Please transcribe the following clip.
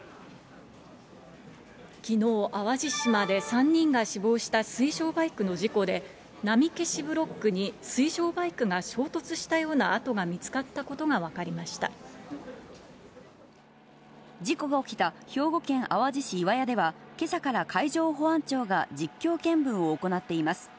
きのう、淡路島で３人が死亡した水上バイクの事故で、波消しブロックに水上バイクが衝突したような跡が見つかったこと事故が起きた、兵庫県淡路市岩屋では、けさから海上保安庁が実況見分を行っています。